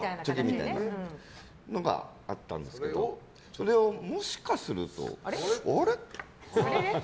そういうのがあったんですけどそれをもしかすると、あれ？